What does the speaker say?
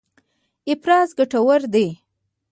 افراز ګټور دی.